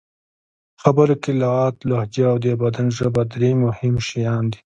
په خبرو کې لغت، لهجه او د بدن ژبه درې مهم شیان دي.